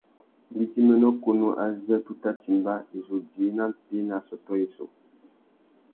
Ngüidjiménô kunú azê tu tà timba, i zu djï nà mpí nà assôtô yissú.